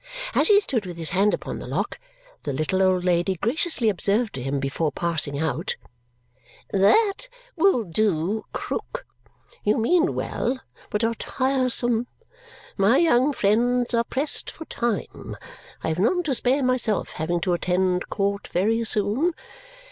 As he stood with his hand upon the lock, the little old lady graciously observed to him before passing out, "That will do, Krook. You mean well, but are tiresome. My young friends are pressed for time. I have none to spare myself, having to attend court very soon.